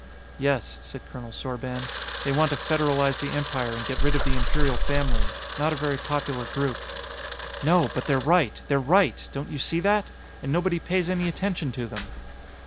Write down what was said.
"Yes," said Colonel Sorban. "They want to federalize the Empire and get rid of the Imperial Family. Not a very popular group." "No, but they're right! They're right! Don't you see that? And nobody pays any attention to them!"